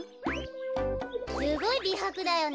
すごいびはくだよね。